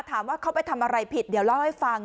ถามว่าเขาไปทำอะไรผิดเดี๋ยวเล่าให้ฟัง